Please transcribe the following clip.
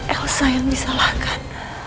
elsa yang disalahkan